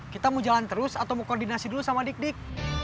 kita mau jalan terus atau mau koordinasi dulu sama dik dik